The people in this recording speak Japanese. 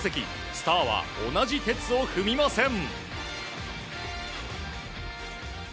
スターは同じ轍を踏みません。